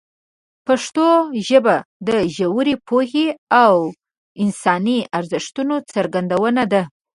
پښتو ژبه د ژورې پوهې او انساني ارزښتونو څرګندونه ده.